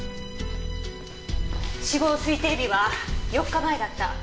死亡推定日は４日前だった。